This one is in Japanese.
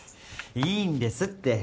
いいんですって。